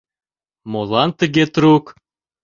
— Молан тыге трук?